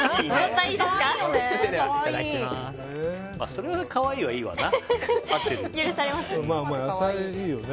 それは可愛いはいいわな。